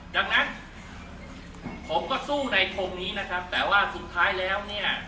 ดังนั้นผมก็สู้ในทงนี้แต่ว่าสุดท้ายแล้ว